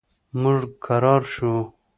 موږ کرار شو.